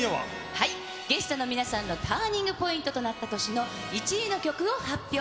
ゲストの皆さんのターニングポイントとなった年の１位の曲を発表。